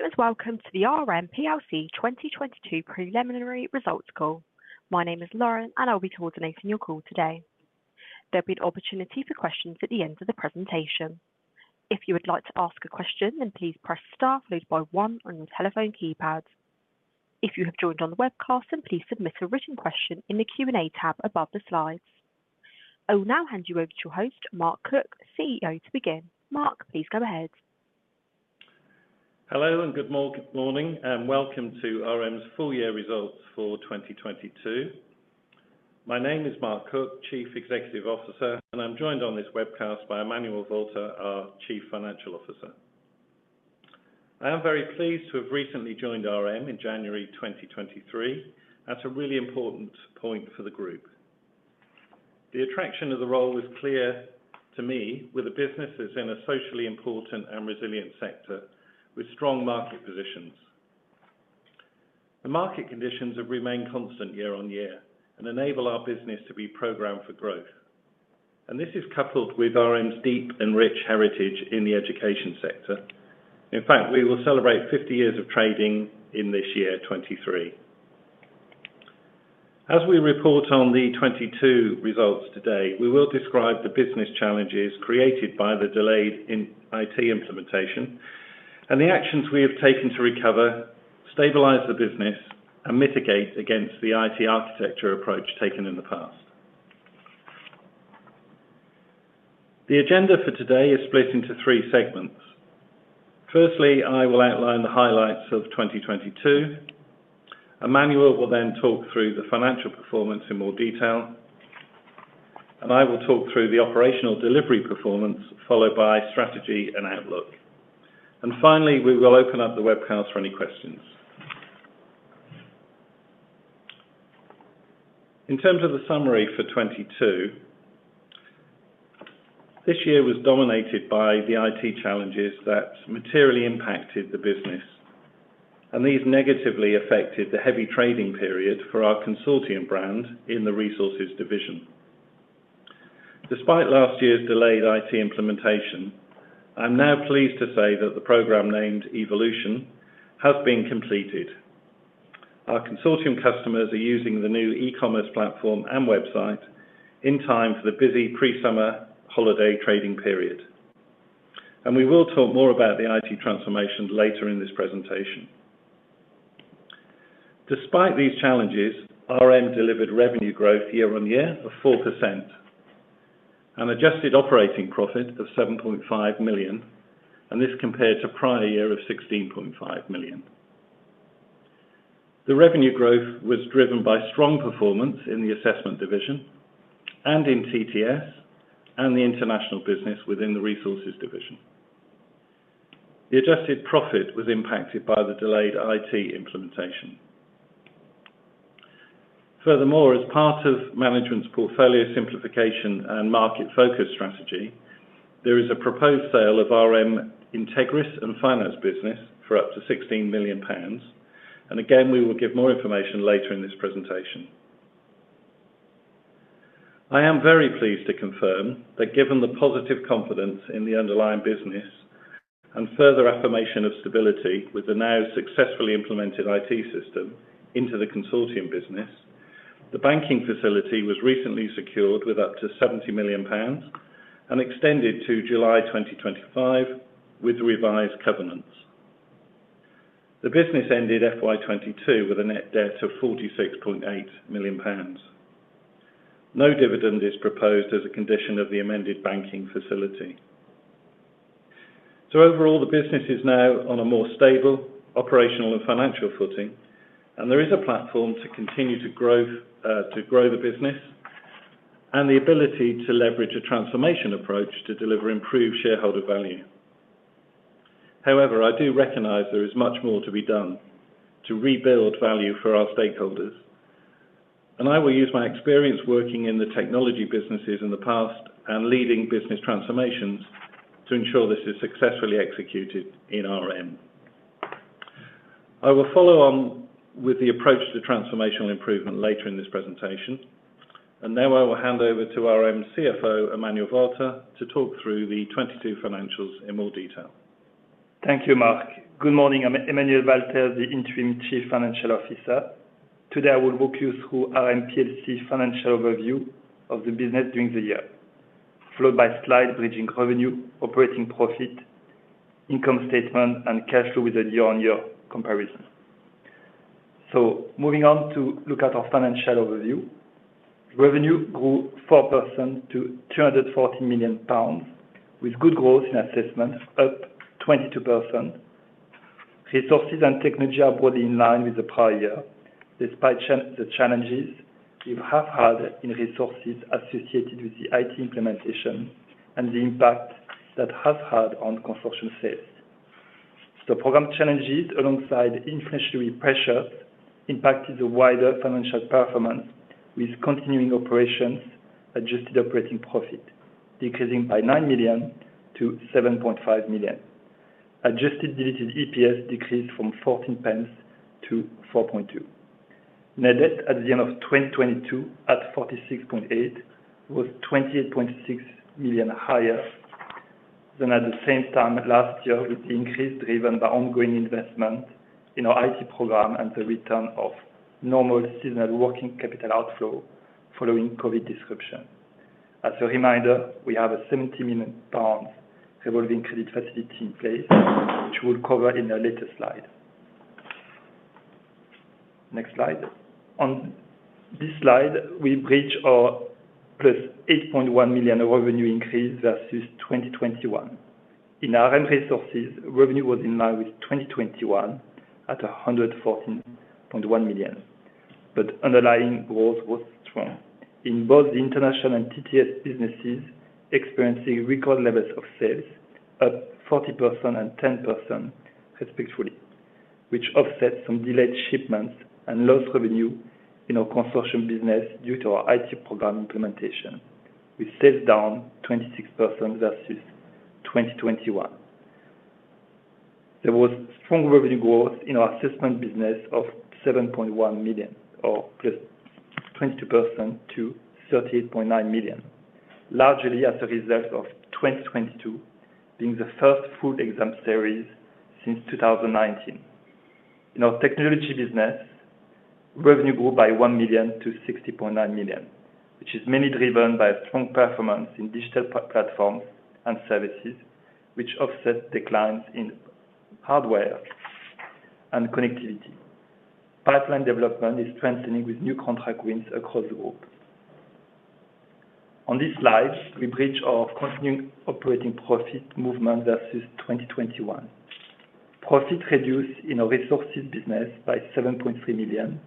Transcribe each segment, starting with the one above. Ladies welcome to the RM plc 2022 preliminary results call. My name is Lauren, and I'll be coordinating your call today. There'll be an opportunity for questions at the end of the presentation. If you would like to ask a question, then please press star followed by one on your telephone keypad. If you have joined on the webcast, then please submit a written question in the Q&A tab above the slides. I will now hand you over to your host, Mark Cook, CEO, to begin. Mark, please go ahead. Hello, good morning, and welcome to RM's full year results for 2022. My name is Mark Cook, Chief Executive Officer, and I'm joined on this webcast by Emmanuel Walter, our Chief Financial Officer. I am very pleased to have recently joined RM in January 2023. That's a really important point for the group. The attraction of the role was clear to me with the businesses in a socially important and resilient sector with strong market positions. The market conditions have remained constant year on year and enable our business to be programmed for growth. This is coupled with RM's deep and rich heritage in the education sector. In fact, we will celebrate 50 years of trading in this year 2023. As we report on the 2022 results today, we will describe the business challenges created by the delayed IT implementation and the actions we have taken to recover, stabilize the business, and mitigate against the IT architecture approach taken in the past. The agenda for today is split into three segments. Firstly, I will outline the highlights of 2022. Emmanuel will then talk through the financial performance in more detail. I will talk through the operational delivery performance, followed by strategy and outlook. Finally, we will open up the webcast for any questions. In terms of the summary for 2022, this year was dominated by the IT challenges that materially impacted the business, and these negatively affected the heavy trading period for our Consortium brand in the resources division. Despite last year's delayed IT implementation, I'm now pleased to say that the program named Evolution has been completed. Our Consortium customers are using the new e-commerce platform and website in time for the busy pre-summer holiday trading period. We will talk more about the IT transformation later in this presentation. Despite these challenges, RM delivered revenue growth year-on-year of 4%, an adjusted operating profit of 7.5 million, and this compared to prior year of 16.5 million. The revenue growth was driven by strong performance in the assessment division and in TTS and the international business within the resources division. The adjusted profit was impacted by the delayed IT implementation. Furthermore, as part of management's portfolio simplification and market focus strategy, there is a proposed sale of RM Integris and finance business for up to 16 million pounds. We will give more information later in this presentation. I am very pleased to confirm that given the positive confidence in the underlying business and further affirmation of stability with the now successfully implemented IT system into the Consortium business, the banking facility was recently secured with up to 70 million pounds and extended to July 2025 with revised covenants. The business ended FY 2022 with a net debt of 46.8 million pounds. No dividend is proposed as a condition of the amended banking facility. The business is now on a more stable operational and financial footing, and there is a platform to continue to grow the business and the ability to leverage a transformation approach to deliver improved shareholder value. I do recognize there is much more to be done to rebuild value for our stakeholders. I will use my experience working in the technology businesses in the past and leading business transformations to ensure this is successfully executed in RM. I will follow on with the approach to transformational improvement later in this presentation. Now I will hand over to RM CFO, Emmanuel Walter, to talk through the 2022 financials in more detail. Thank you, Mark. Good morning. I'm Emmanuel Walter, the Interim Chief Financial Officer. Today, I will walk you through RM plc financial overview of the business during the year, followed by slide bridging revenue, operating profit, income statement, and cash flow with a year-on-year comparison. Moving on to look at our financial overview. Revenue grew 4% to 240 million pounds, with good growth in assessments up 22%. Resources and Technology are broadly in line with the prior year, despite the challenges we have had in Resources associated with the IT implementation and the impact that has had on Consortium sales. The program challenges, alongside inflationary pressures, impacted the wider financial performance with continuing operations, adjusted operating profit, decreasing by 9 million to 7.5 million. Adjusted diluted EPS decreased from 0.14 to 0.042. Net debt at the end of 2022 at 46.8 million was 28.6 million higher than at the same time last year, with the increase driven by ongoing investment in our IT program and the return of normal seasonal working capital outflow following COVID disruption. As a reminder, we have a 70 million pounds revolving credit facility in place, which we'll cover in a later slide. Next slide. On this slide, we bridge our +8.1 million revenue increase versus 2021. In our RM Resources, revenue was in line with 2021 at 114.1 million. Underlying growth was strong in both the international and TTS businesses, experiencing record levels of sales, up 40% and 10% respectively, which offset some delayed shipments and lost revenue in our Consortium business due to our IT program implementation. We're sales down 26% versus 2021. There was strong revenue growth in our Assessment business of 7.1 million or just 22% to 38.9 million, largely as a result of 2022 being the first full exam series since 2019. In our Technology business, revenue grew by 1 million to 60.9 million, which is mainly driven by a strong performance in digital platforms and services which offset declines in hardware and connectivity. Pipeline development is strengthening with new contract wins across the group. On this slide, we bridge our continuing operating profit movement versus 2021. Profit reduced in our RM Resources business by 7.3 million,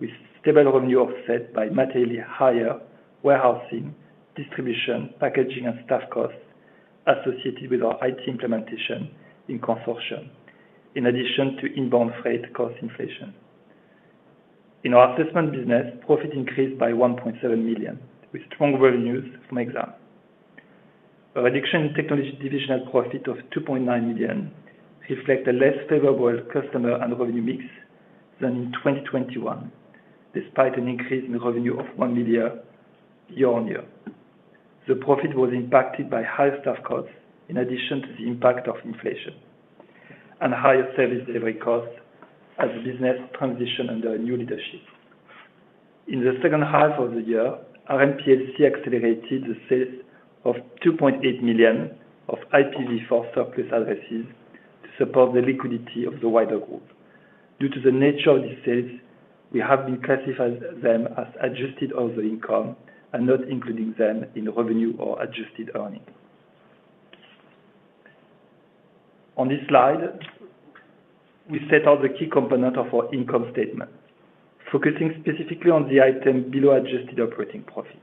with stable revenue offset by materially higher warehousing, distribution, packaging, and staff costs associated with our IT implementation in Consortium, in addition to inbound freight cost inflation. In our RM Assessment business, profit increased by 1.7 million, with strong revenues from exam. Our RM Technology divisional profit of 2.9 million reflect a less favorable customer and revenue mix than in 2021, despite an increase in revenue of 1 million year-on-year. The profit was impacted by higher staff costs in addition to the impact of inflation and higher service delivery costs as the business transitioned under a new leadership. In the second half of the year, RM plc accelerated the sales of 2.8 million of IPv4 surplus addresses to support the liquidity of the wider group. Due to the nature of these sales, we have been classified them as adjusted other income and not including them in revenue or adjusted earnings. On this slide, we set out the key component of our income statement, focusing specifically on the item below adjusted operating profit.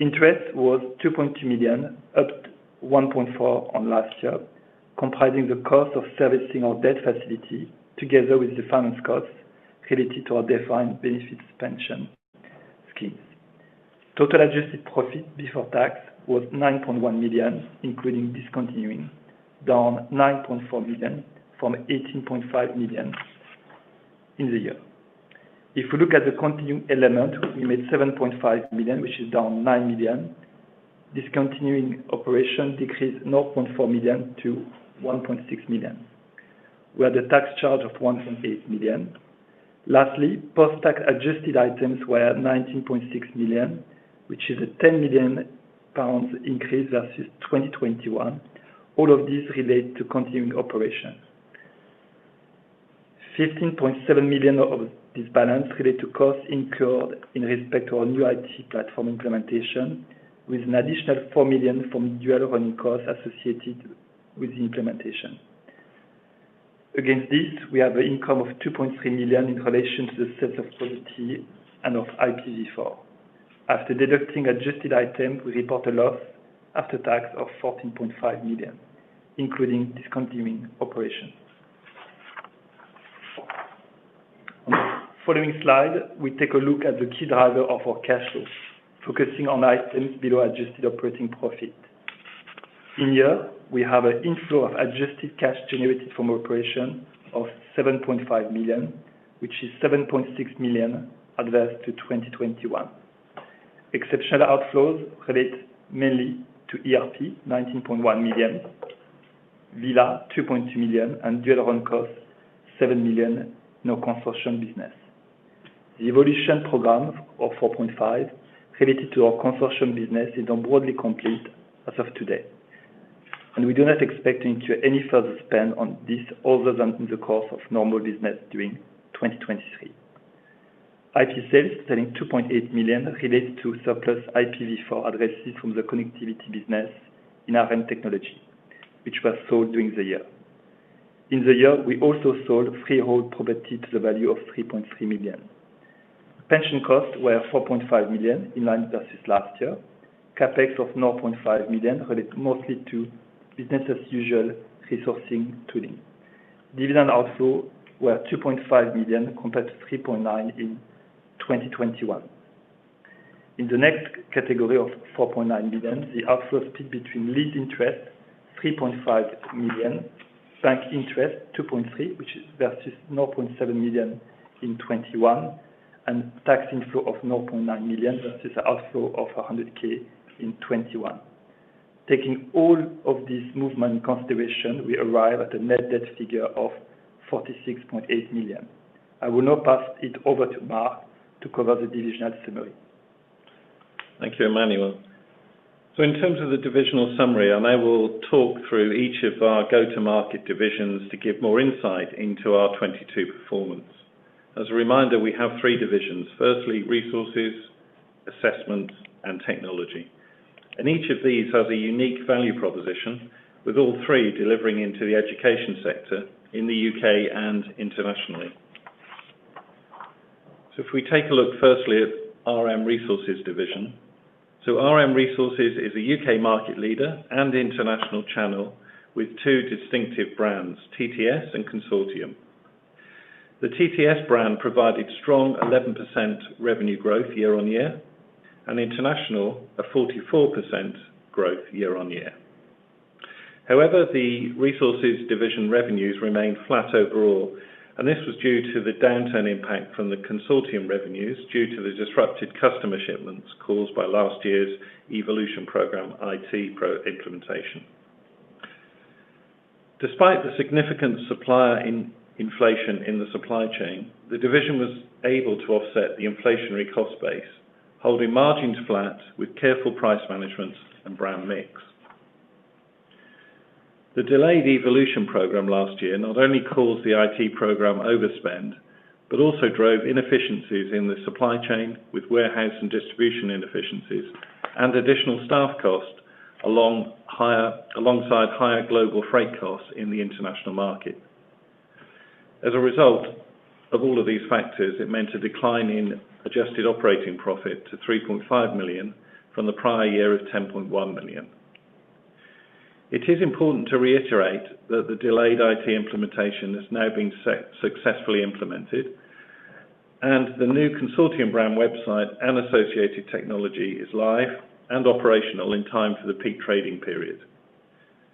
Interest was 2.2 million, up 1.4 on last year, comprising the cost of servicing our debt facility together with the finance costs related to our defined benefit suspension schemes. Total adjusted profit before tax was 9.1 million, including discontinuing, down 9.4 million from 18.5 million in the year. If we look at the continuing element, we made 7.5 million, which is down 9 million. Discontinuing operation decreased 0.4 million to 1.6 million. We had a tax charge of 1.8 million. Lastly, post-tax adjusted items were 19.6 million, which is a 10 million pounds increase versus 2021. All of these relate to continuing operations. 15.7 million of this balance relate to costs incurred in respect to our new IT platform implementation, with an additional 4 million from dual running costs associated with the implementation. Against this, we have an income of 2.3 million in relation to the sale of property and of IPv4. After deducting adjusted items, we report a loss after tax of 14.5 million, including discontinuing operations. Following slide, we take a look at the key driver of our cash flow, focusing on items below adjusted operating profit. In here, we have an inflow of adjusted cash generated from operation of 7.5 million, which is 7.6 million adverse to 2021. Exceptional outflows relate mainly to ERP, 19.1 million, Villa, 2.2 million, and dual run costs, 7 million, no Consortium business. The Evolution program of 4.5 related to our Consortium business is now broadly complete as of today, and we do not expect into any further spend on this other than in the course of normal business during 2023. IP sales selling 2.8 million related to surplus IPv4 addresses from the connectivity business in our RM Technology, which was sold during the year. In the year, we also sold freehold property to the value of 3.3 million. Pension costs were 4.5 million in line versus last year. CapEx of 0.5 million relate mostly to business as usual resourcing tooling. Dividend outflow were 2.5 million compared to 3.9 million in 2021. In the next category of 4.9 million, the outflow split between lease interest 3.5 million, bank interest 2.3 million, which is versus 0.7 million in 2021, and tax inflow of 0.9 million versus outflow of 100k in 2021. Taking all of this movement in consideration, we arrive at a net debt figure of 46.8 million. I will now pass it over to Mark to cover the divisional summary. Thank you, Emmanuel Walter. In terms of the divisional summary, I will talk through each of our go-to-market divisions to give more insight into our 2022 performance. As a reminder, we have three divisions. Firstly, RM Resources, RM Assessment, and RM Technology. Each of these has a unique value proposition, with all three delivering into the education sector in the U.K. and internationally. If we take a look firstly at RM Resources. RM Resources is a U.K. market leader and international channel with two distinctive brands, TTS and Consortium. The TTS brand provided strong 11% revenue growth year-over-year, and international at 44% growth year-over-year. However, the RM Resources revenues remained flat overall, and this was due to the downturn impact from the Consortium revenues due to the disrupted customer shipments caused by last year's Evolution program IT pro implementation. Despite the significant supplier in-inflation in the supply chain, the division was able to offset the inflationary cost base, holding margins flat with careful price management and brand mix. The delayed Evolution program last year not only caused the IT program overspend but also drove inefficiencies in the supply chain with warehouse and distribution inefficiencies and additional staff cost alongside higher global freight costs in the international market. A result of all of these factors, it meant a decline in adjusted operating profit to 3.5 million from the prior year of 10.1 million. It is important to reiterate that the delayed IT implementation has now been successfully implemented, and the new Consortium brand website and associated technology is live and operational in time for the peak trading period.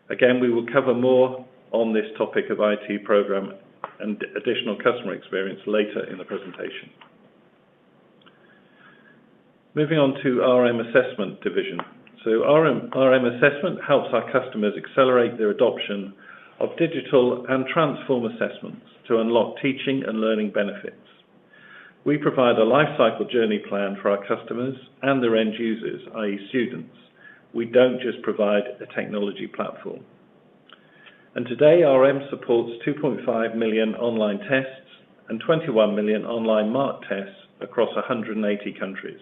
We will cover more on this topic of IT program and additional customer experience later in the presentation. Moving on to RM Assessment division. RM Assessment helps our customers accelerate their adoption of digital and transform assessments to unlock teaching and learning benefits. We provide a lifecycle journey plan for our customers and their end users, i.e., students. We don't just provide a technology platform. Today, RM supports 2.5 million online tests and 21 million online marked tests across 180 countries.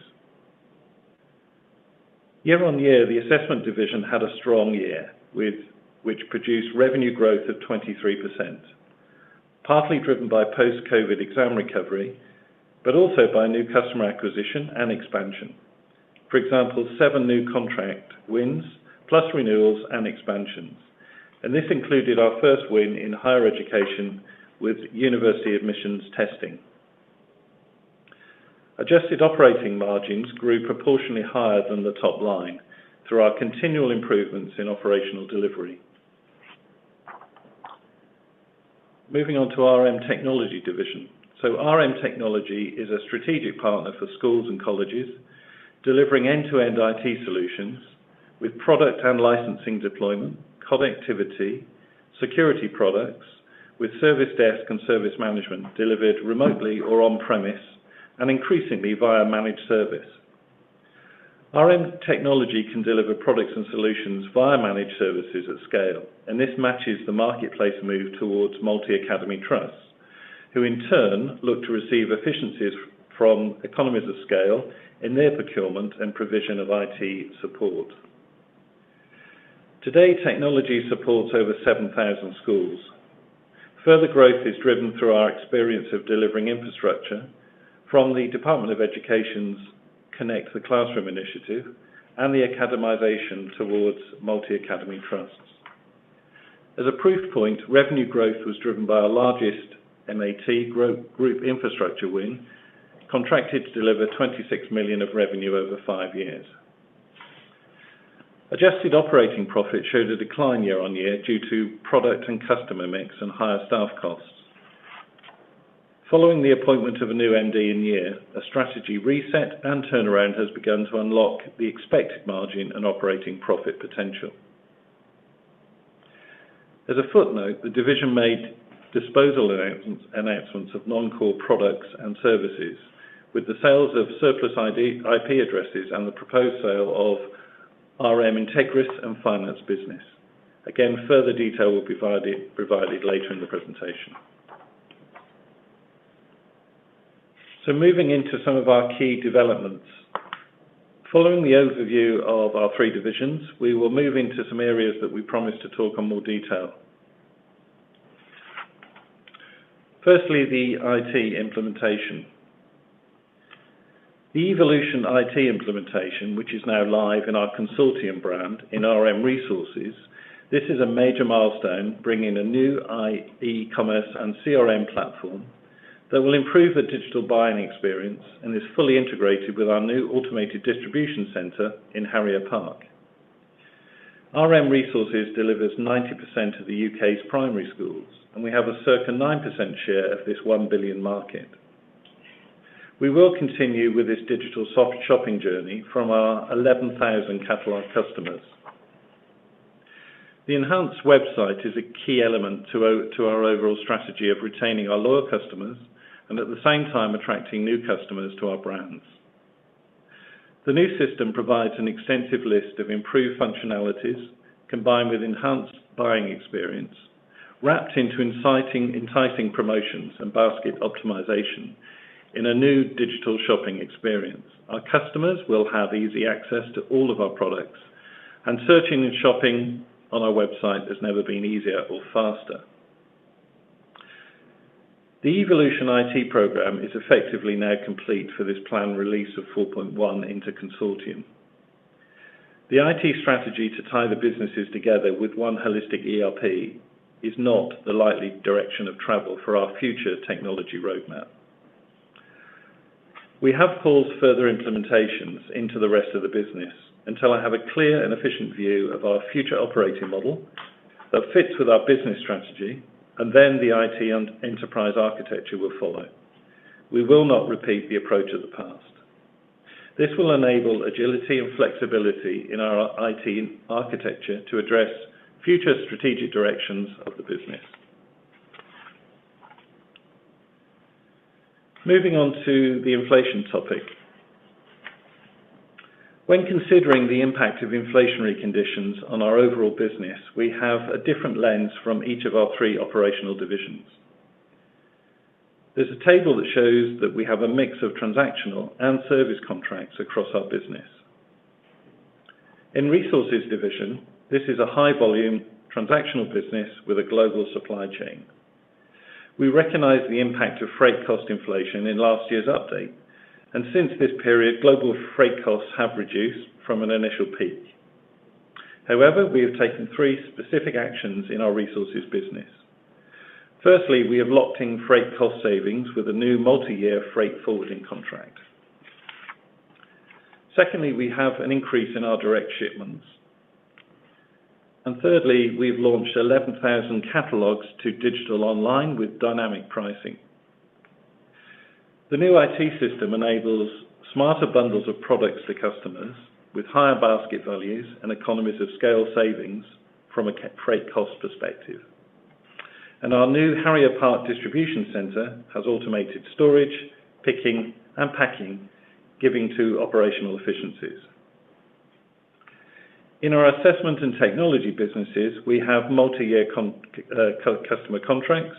Year-on-year, the assessment division had a strong year which produced revenue growth of 23%, partly driven by post-COVID exam recovery, but also by new customer acquisition and expansion. For example, 7 new contract wins plus renewals and expansions. This included our first win in higher education with university admissions testing. Adjusted operating margins grew proportionally higher than the top line through our continual improvements in operational delivery. Moving on to RM Technology division. RM Technology is a strategic partner for schools and colleges, delivering end-to-end IT solutions with product and licensing deployment, connectivity, security products with service desk and service management delivered remotely or on-premise, and increasingly via managed service. RM Technology can deliver products and solutions via managed services at scale, and this matches the marketplace move towards Multi-Academy Trusts, who in turn look to receive efficiencies from economies of scale in their procurement and provision of IT support. Today, technology supports over 7,000 schools. Further growth is driven through our experience of delivering infrastructure from the Department for Education's Connect the Classroom initiative and the academization towards Multi-Academy Trusts. As a proof point, revenue growth was driven by our largest MAT group infrastructure win, contracted to deliver 26 million of revenue over five years. Adjusted operating profit showed a decline year-over-year due to product and customer mix and higher staff costs. Following the appointment of a new MD in year, a strategy reset and turnaround has begun to unlock the expected margin and operating profit potential. As a footnote, the division made disposal announcements of non-core products and services with the sales of surplus IP addresses and the proposed sale of RM Integris and finance business. Further detail will be provided later in the presentation. Moving into some of our key developments. Following the overview of our three divisions, we will move into some areas that we promised to talk on more detail. Firstly, the IT implementation. The Evolution IT implementation, which is now live in our Consortium brand in RM Resources. This is a major milestone, bringing a new e-commerce and CRM platform that will improve the digital buying experience and is fully integrated with our new automated distribution center in Harrier Park. RM Resources delivers 90% of the U.K.'s primary schools, and we have a circa 9% share of this 1 billion market. We will continue with this digital soft shopping journey from our 11,000 cataloged customers. The enhanced website is a key element to our overall strategy of retaining our loyal customers and at the same time attracting new customers to our brands. The new system provides an extensive list of improved functionalities combined with enhanced buying experience, wrapped into enticing promotions and basket optimization in a new digital shopping experience. Our customers will have easy access to all of our products. Searching and shopping on our website has never been easier or faster. The Evolution IT program is effectively now complete for this planned release of 4.1 into Consortium. The IT strategy to tie the businesses together with one holistic ERP is not the likely direction of travel for our future technology roadmap. We have paused further implementations into the rest of the business until I have a clear and efficient view of our future operating model that fits with our business strategy, and then the IT and enterprise architecture will follow. We will not repeat the approach of the past. This will enable agility and flexibility in our IT architecture to address future strategic directions of the business. Moving on to the inflation topic. When considering the impact of inflationary conditions on our overall business, we have a different lens from each of our 3 operational divisions. There's a table that shows that we have a mix of transactional and service contracts across our business. In Resources Division, this is a high-volume transactional business with a global supply chain. We recognize the impact of freight cost inflation in last year's update. Since this period, global freight costs have reduced from an initial peak. However, we have taken 3 specific actions in our Resources business. Firstly, we have locked in freight cost savings with a new multi-year freight forwarding contract. Secondly, we have an increase in our direct shipments. Thirdly, we've launched 11,000 catalogs to digital online with dynamic pricing. The new IT system enables smarter bundles of products to customers with higher basket values and economies of scale savings from a freight cost perspective. Our new Harrier Park distribution center has automated storage, picking, and packing, giving to operational efficiencies. In our assessment and technology businesses, we have multi-year customer contracts.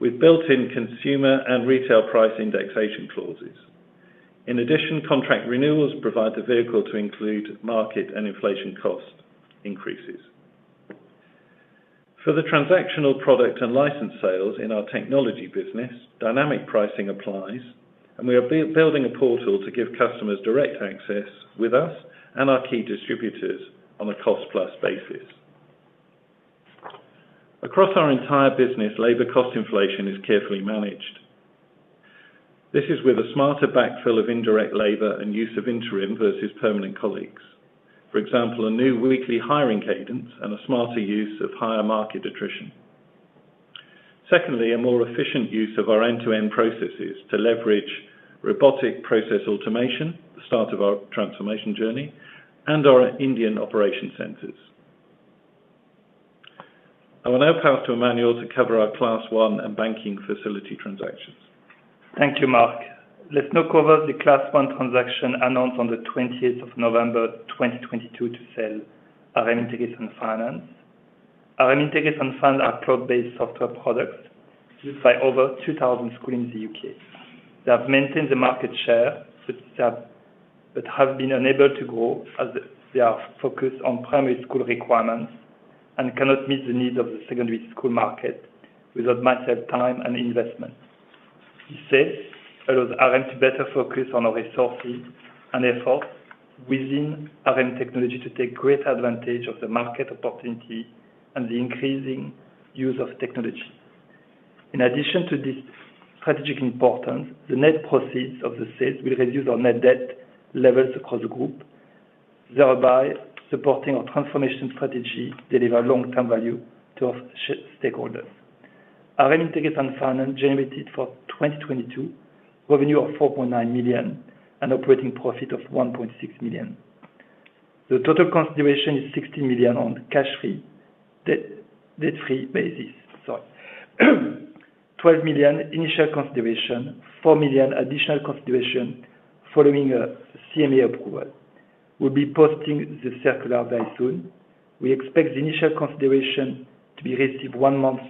We've built in consumer and retail price indexation clauses. In addition, contract renewals provide the vehicle to include market and inflation cost increases. For the transactional product and license sales in our technology business, dynamic pricing applies, and we are building a portal to give customers direct access with us and our key distributors on a cost-plus basis. Across our entire business, labor cost inflation is carefully managed. This is with a smarter backfill of indirect labor and use of interim versus permanent colleagues. For example, a new weekly hiring cadence and a smarter use of higher market attrition. Secondly, a more efficient use of our end-to-end processes to leverage robotic process automation, the start of our transformation journey, and our Indian operation centers. I will now pass to Emmanuel to cover our Class 1 and banking facility transactions. Thank you, Mark. Let's now cover the Class 1 transaction announced on the 20th of November 2022 to sell RM Integris and Finance. RM Integris and Finance are cloud-based software products used by over 2,000 schools in the U.K. They have maintained the market share but have been unable to grow as they are focused on primary school requirements and cannot meet the needs of the secondary school market without much time and investment. This sale allows RM to better focus on our resources and effort within RM Technology to take great advantage of the market opportunity and the increasing use of technology. In addition to this strategic importance, the net proceeds of the sale will reduce our net debt levels across the group, thereby supporting our transformation strategy, deliver long-term value to our stakeholders. RM Integris and Finance generated for 2022 revenue of 4.9 million and operating profit of 1.6 million. The total consideration is 60 million on debt-free basis. Sorry. 12 million initial consideration, 4 million additional consideration following a CMA approval. We'll be posting the circular very soon. We expect the initial consideration to be received one month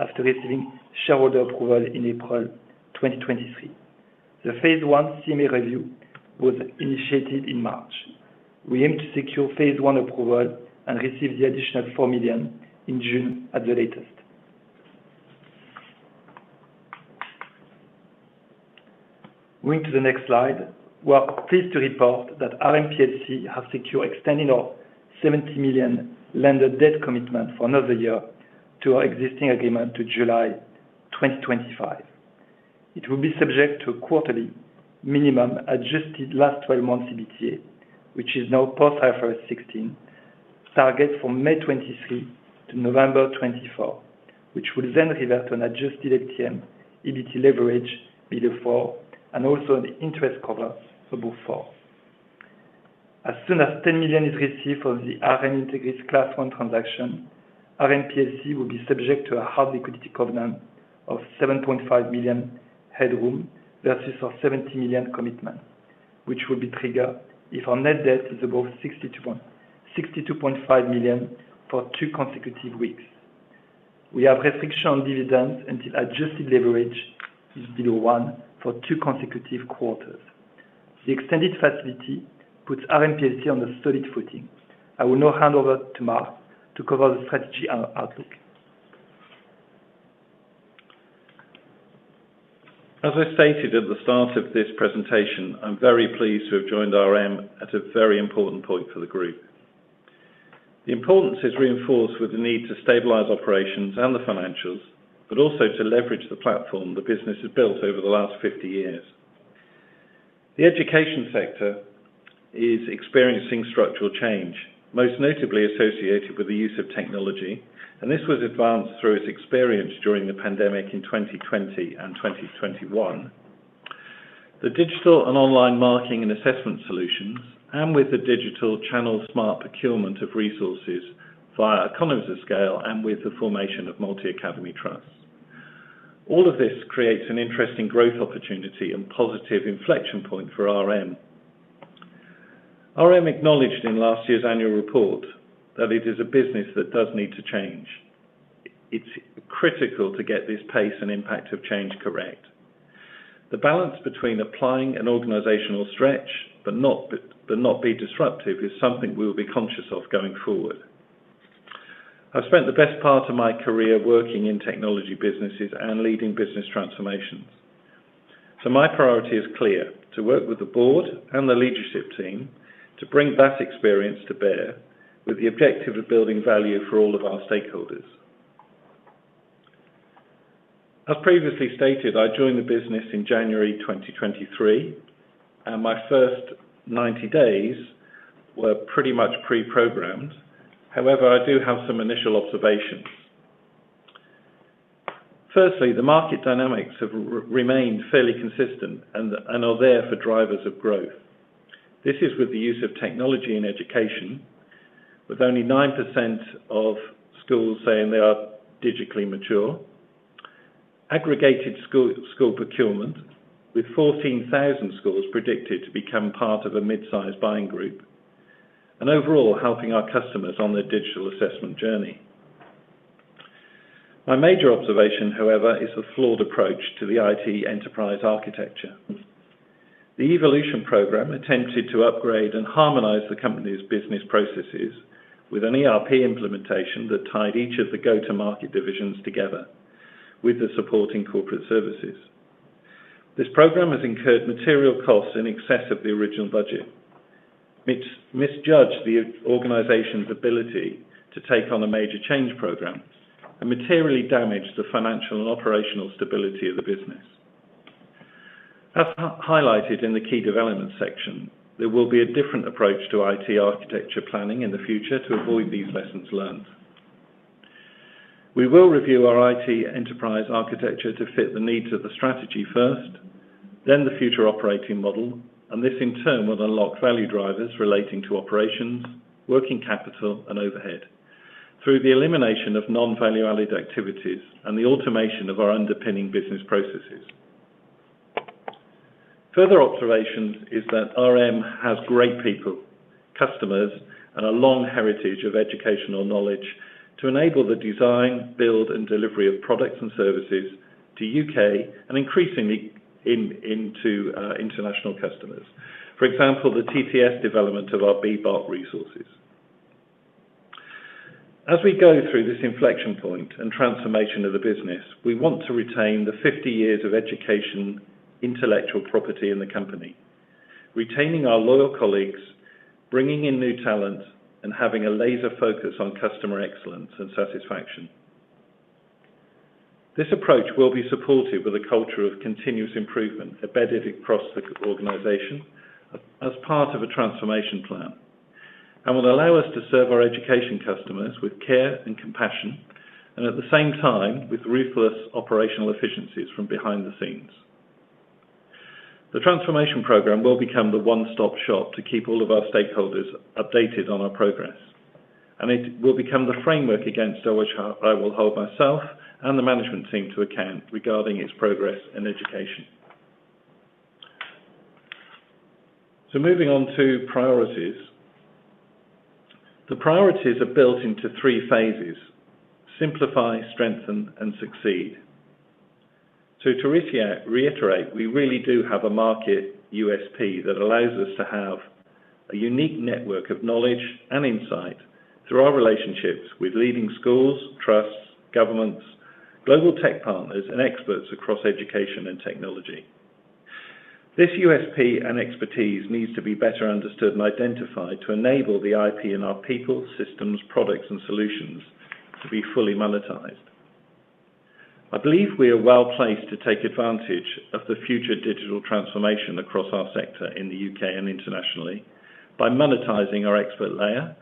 after receiving shareholder approval in April 2023. The Phase I CMA review was initiated in March. We aim to secure Phase I approval and receive the additional 4 million in June at the latest. Going to the next slide. We are pleased to report that RM plc have secured extending our 70 million lender debt commitment for another year to our existing agreement to July 2025. It will be subject to a quarterly minimum adjusted last twelve months EBITDA, which is now post-IFRS 16 target from May 2023 to November 2024. Which will revert an adjusted ATM, EBIT leverage below 4, and also an interest cover above 4. As soon as 10 million is received from the RM Integris Class 1 transaction, RM plc will be subject to a hard liquidity covenant of 7.5 million headroom versus our 70 million commitment, which will be triggered if our net debt is above 62.5 million for 2 consecutive weeks. We have restriction on dividends until adjusted leverage is below 1 for 2 consecutive quarters. The extended facility puts RM plc on a solid footing. I will now hand over to Mark to cover the strategy and our outlook. As I stated at the start of this presentation, I'm very pleased to have joined RM at a very important point for the group. The importance is reinforced with the need to stabilize operations and the financials, but also to leverage the platform the business has built over the last 50 years. The education sector is experiencing structural change, most notably associated with the use of technology. This was advanced through its experience during the pandemic in 2020 and 2021. The digital and online marketing and assessment solutions, and with the digital channel smart procurement of resources via economies of scale and with the formation of Multi-Academy Trust. All of this creates an interesting growth opportunity and positive inflection point for RM. RM acknowledged in last year's annual report that it is a business that does need to change. It's critical to get this pace and impact of change correct. The balance between applying an organizational stretch, but not be disruptive, is something we'll be conscious of going forward. I've spent the best part of my career working in technology businesses and leading business transformations. My priority is clear, to work with the board and the leadership team to bring that experience to bear with the objective of building value for all of our stakeholders. As previously stated, I joined the business in January 2023, and my first 90 days were pretty much pre-programmed. However, I do have some initial observations. Firstly, the market dynamics have remained fairly consistent and are there for drivers of growth. This is with the use of technology in education, with only 9% of schools saying they are digitally mature. Aggregated school procurement with 14,000 schools predicted to become part of a mid-sized buying group, and overall helping our customers on their digital assessment journey. My major observation, however, is the flawed approach to the IT enterprise architecture. The Evolution program attempted to upgrade and harmonize the company's business processes with an ERP implementation that tied each of the go-to-market divisions together with the supporting corporate services. This program has incurred material costs in excess of the original budget. Misjudged the organization's ability to take on a major change program and materially damaged the financial and operational stability of the business. As highlighted in the key development section, there will be a different approach to IT architecture planning in the future to avoid these lessons learned. We will review our IT enterprise architecture to fit the needs of the strategy first, then the future operating model. This in turn will unlock value drivers relating to operations, working capital, and overhead through the elimination of non-value-added activities and the automation of our underpinning business processes. Further observation is that RM has great people, customers, and a long heritage of educational knowledge to enable the design, build, and delivery of products and services to U.K. and increasingly into international customers. For example, the TTS development of our BBAC resources. As we go through this inflection point and transformation of the business, we want to retain the 50 years of education intellectual property in the company. Retaining our loyal colleagues, bringing in new talent, and having a laser focus on customer excellence and satisfaction. This approach will be supported with a culture of continuous improvement embedded across the organization as part of a transformation plan, and will allow us to serve our education customers with care and compassion, and at the same time, with ruthless operational efficiencies from behind the scenes. The transformation program will become the one-stop shop to keep all of our stakeholders updated on our progress, and it will become the framework against which I will hold myself and the management team to account regarding its progress and education. Moving on to priorities. The priorities are built into three phases: simplify, strengthen, and succeed. To reiterate, we really do have a market USP that allows us to have a unique network of knowledge and insight through our relationships with leading schools, trusts, governments, global tech partners and experts across education and technology. This USP and expertise needs to be better understood and identified to enable the IP in our people, systems, products and solutions to be fully monetized. I believe we are well-placed to take advantage of the future digital transformation across our sector in the U.K. and internationally by monetizing our expert layer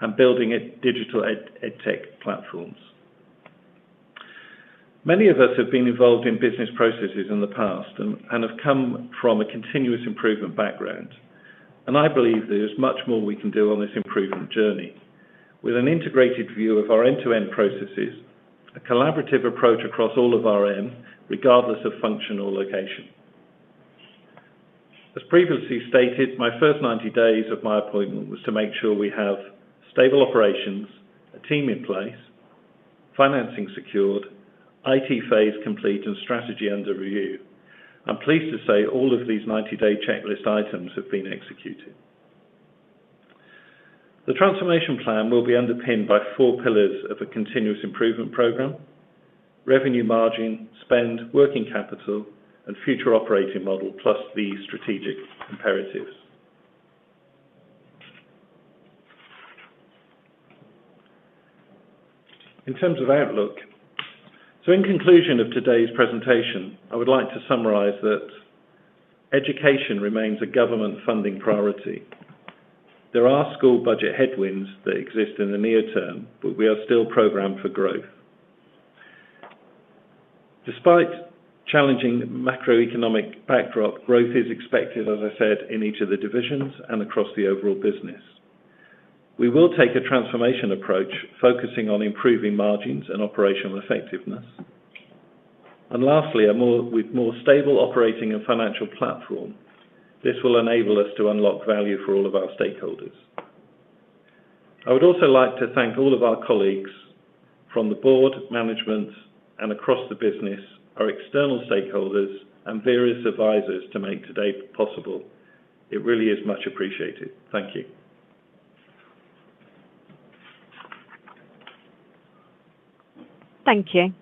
and building digital EdTech platforms. Many of us have been involved in business processes in the past and have come from a continuous improvement background. I believe there is much more we can do on this improvement journey with an integrated view of our end-to-end processes, a collaborative approach across all of RM, regardless of function or location. As previously stated, my first 90 days of my appointment was to make sure we have stable operations, a team in place, financing secured, IT phase complete, and strategy under review. I'm pleased to say all of these 90-day checklist items have been executed. The transformation plan will be underpinned by four pillars of a continuous improvement program, revenue margin, spend, working capital, and future operating model, plus the strategic imperatives. In terms of outlook. In conclusion of today's presentation, I would like to summarize that education remains a government funding priority. There are school budget headwinds that exist in the near term, but we are still programmed for growth. Despite challenging macroeconomic backdrop, growth is expected, as I said, in each of the divisions and across the overall business. We will take a transformation approach, focusing on improving margins and operational effectiveness. Lastly, with more stable operating and financial platform, this will enable us to unlock value for all of our stakeholders. I would also like to thank all of our colleagues from the board, management, and across the business, our external stakeholders and various advisors to make today possible. It really is much appreciated. Thank you. Thank you.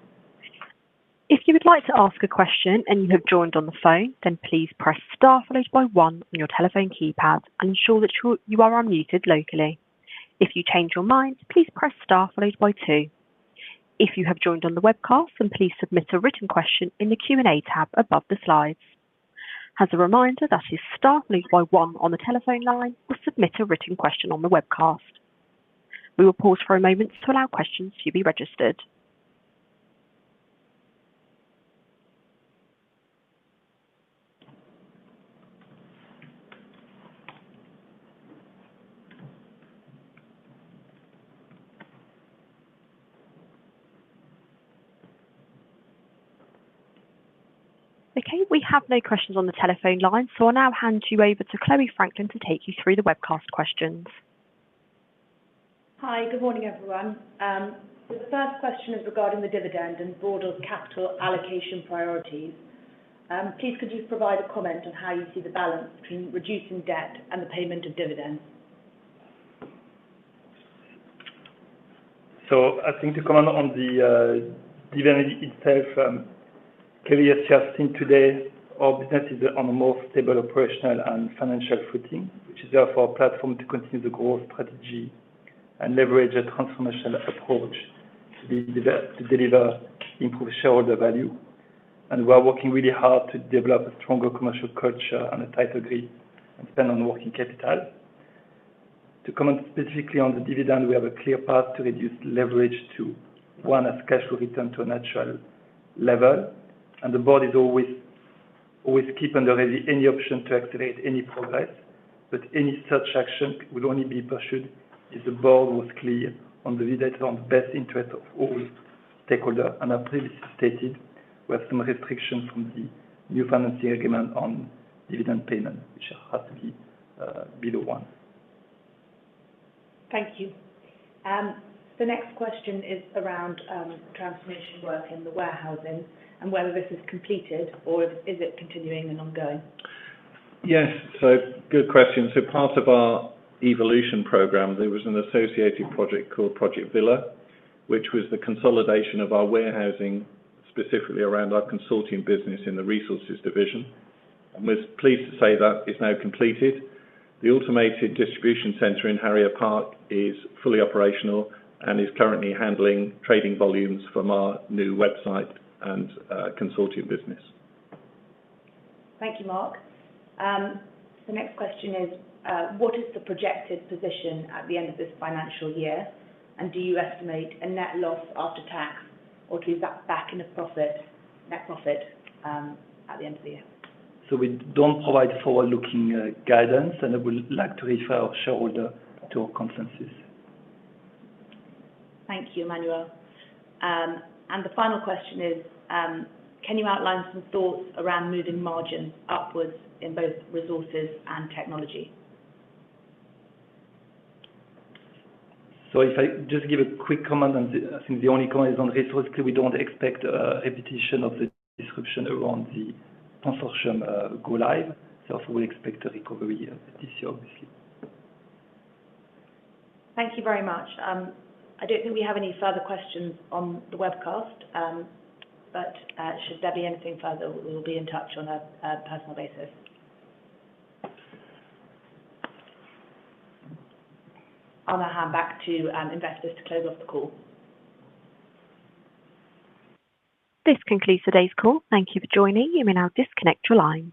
If you would like to ask a question and you have joined on the phone, please press star followed by one on your telephone keypad and ensure that you are unmuted locally. If you change your mind, please press star followed by two. If you have joined on the webcast, please submit a written question in the Q&A tab above the slides. As a reminder, that is star followed by one on the telephone line or submit a written question on the webcast. We will pause for a moment to allow questions to be registered. Okay, we have no questions on the telephone line, so I'll now hand you over to Chloe Francklin to take you through the webcast questions. Hi, good morning, everyone. The first question is regarding the dividend and board of capital allocation priorities. Please could you provide a comment on how you see the balance between reducing debt and the payment of dividends? I think to comment on the dividend itself, clearly as you have seen today, our business is on a more stable operational and financial footing, which is therefore a platform to continue the growth strategy and leverage a transformation approach to deliver improved shareholder value. We are working really hard to develop a stronger commercial culture and a tighter grip and spend on working capital. To comment specifically on the dividend, we have a clear path to reduce leverage to one, a cash flow return to a natural level. The board is always keeping already any option to accelerate any progress. Any such action would only be pursued if the board was clear on the dividend on the best interest of all stakeholder. As previously stated, we have some restriction from the new financing agreement on dividend payment, which has to be the one. Thank you. The next question is around transformation work in the warehousing and whether this is completed or is it continuing and ongoing? Yes. Good question. Part of our Evolution program, there was an associated project called Project Villa, which was the consolidation of our warehousing, specifically around our consulting business in the Resources division. We're pleased to say that is now completed. The automated distribution center in Harrier Park is fully operational and is currently handling trading volumes from our new website and consulting business. Thank you, Mark. The next question is, what is the projected position at the end of this financial year? Do you estimate a net loss after tax, or is that back in a profit, net profit, at the end of the year? We don't provide forward-looking guidance, and I would like to refer our shareholder to our conferences. Thank you, Emmanuel. The final question is, can you outline some thoughts around moving margin upwards in both resources and technology? If I just give a quick comment. I think the only comment is on resource. Clearly, we don't expect a repetition of the disruption around the Consortium go live. We expect a recovery this year, obviously. Thank you very much. I don't think we have any further questions on the webcast. Should there be anything further, we'll be in touch on a personal basis. I'll now hand back to investors to close off the call. This concludes today's call. Thank you for joining. You may now disconnect your lines.